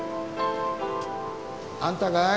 あんたかい？